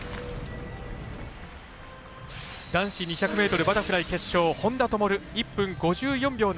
男子２００ｍバタフライ決勝本多灯、１分５４秒７２。